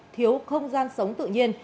thiếu không gian sống tự nhiên